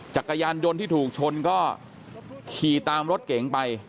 จักรยานยนต์ที่ถูกชนก็ขี่ตามรถเก๋งไป